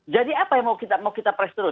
jadi apa yang mau kita press terus